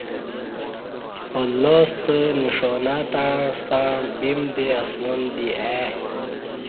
اللہ ستہ نݜانہ تݩع ستݩع بیم دے اسمان دی آئی